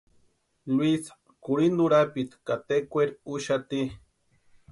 Luisa kurhinta urapiti ka tekweri úxati.